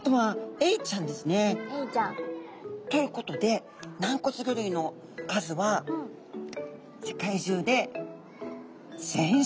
エイちゃん。ということで軟骨魚類の数は世界中で１，０００種ほど。